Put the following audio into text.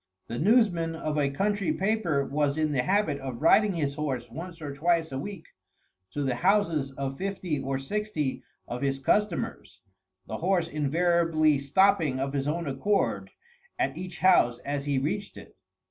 The newsman of a country paper was in the habit of riding his horse once or twice a week to the houses of fifty or sixty of his customers, the horse invariably stopping of his own accord at each house as he reached it.